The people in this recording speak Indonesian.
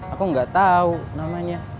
aku gak tau namanya